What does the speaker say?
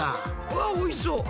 うわおいしそう。